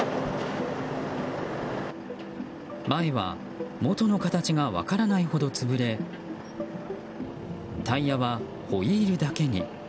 前は元の形が分からないほど潰れタイヤはホイールだけに。